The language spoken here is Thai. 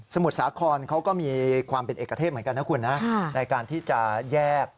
มุทรสาครเขาก็มีความเป็นเอกเทพเหมือนกันนะคุณนะในการที่จะแยก